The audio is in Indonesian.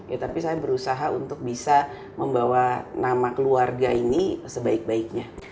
ya tapi saya berusaha untuk bisa membawa nama keluarga ini sebaik baiknya